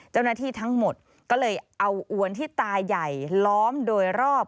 เจ้าหน้าที่ทั้งหมดก็เลยเอาอวนที่ตาใหญ่ล้อมโดยรอบ